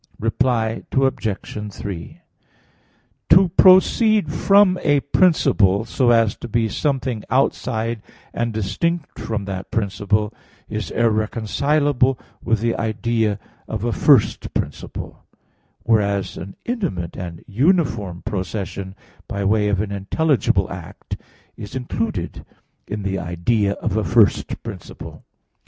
Reply Obj. 3: To proceed from a principle, so as to be something outside and distinct from that principle, is irreconcilable with the idea of a first principle; whereas an intimate and uniform procession by way of an intelligible act is included in the idea of a first principle.